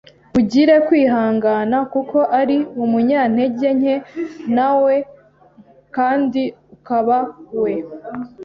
ugire kwihangana kuko ari umunyantege nke nawe kandi ukaba we.